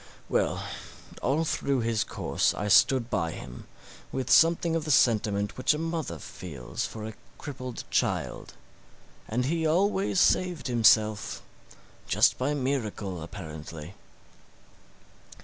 Well, although through his course I stood by him, with something of the sentiment which a mother feels for a crippled child; and he always saved himself just by miracle, apparently.